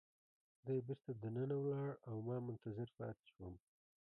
دی بیرته دننه ولاړ او ما منتظر پاتې شوم.